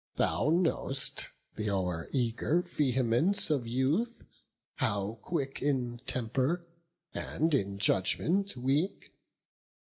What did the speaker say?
Thou know'st th' o'er eager vehemence of youth, How quick in temper, and in judgment weak.